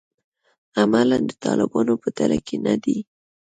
عملاً د طالبانو په ډله کې نه دي.